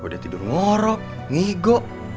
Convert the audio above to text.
udah tidur ngorok ngigo